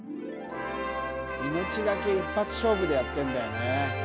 命懸け一発勝負でやってんだよね。